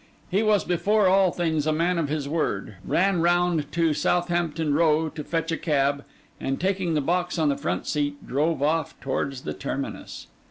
He was before all things a man of his word; ran round to Southampton Row to fetch a cab; and taking the box on the front seat, drove off towards the terminus.